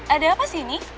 ada apa sih ini